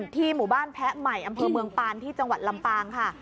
ที่หมู่บ้านแพะใหม่อำเภอเมืองปานที่จังหวัดลำปางค่ะ